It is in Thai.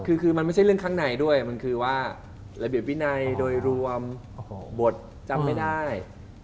คือมันไม่ใช่เรื่องข้างในด้วยมันคือว่าระเบียบวินัยโดยรวมบทจำไม่ได้